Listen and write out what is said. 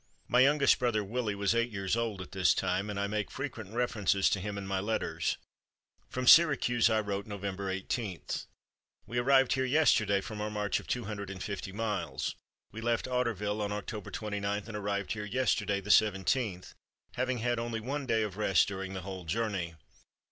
My youngest brother, Willie, was eight years old at this time, and I make frequent references to him in my letters. From Syracuse I wrote November 18: "We arrived here yesterday from our march of two hundred and fifty miles. We left Otterville on October 29 and arrived here yesterday the 17th, having had only one day of rest during the whole journey.